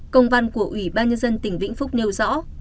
công văn của ủy ban nhân dân tỉnh vĩnh phúc nêu rõ